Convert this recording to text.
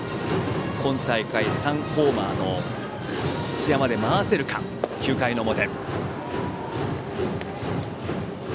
今大会３ホーマーの土屋まで回せるか９回の表。